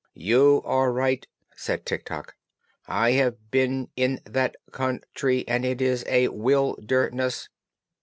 "You are right," said Tik Tok. "I have been in that coun try, and it is a wil der ness."